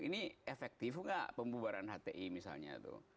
ini efektif nggak pembubaran hti misalnya tuh